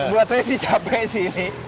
buat saya sih capek sih